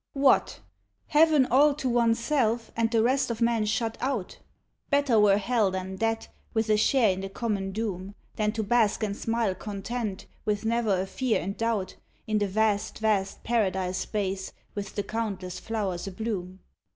WHAT ! heaven all to one's self and the rest of men shut out ? Better were hell than that, with a share in the common doom, Than to bask and smile content, with never a fear and doubt, In the vast, vast Paradise space with the countless flowers abloom.